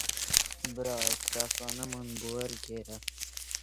برا ئەو کراسانەمان بۆ وەرگێڕە